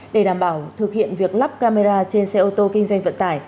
để đảm bảo thực hiện việc lắp camera trên xe ô tô kinh doanh vận tải